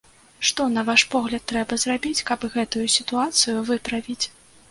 Што, на ваш погляд, трэба зрабіць, каб гэтую сітуацыю выправіць?